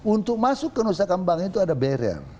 untuk masuk ke nusa kambangan itu ada barrier